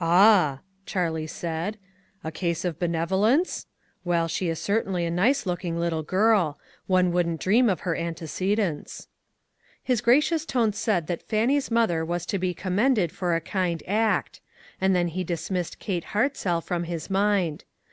AH," Charlie said, "a case of benevo lence ? Well, she is certainly a nice looking little girl ; one wouldn't dream of her antecedents." His gracious tone said that" Fannie's mother was to be commended for a kind act ; and then he dismissed Kate Hartzell from his mind.